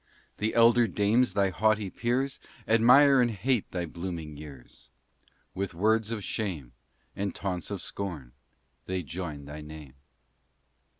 The elder dames, thy haughty peers, Admire and hate thy blooming years. With words of shame And taunts of scorn they join thy name.